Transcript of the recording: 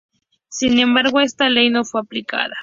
Sin embargo, esta ley no fue aplicada.